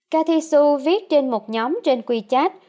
cathy xu viết trên một nhóm trên wechat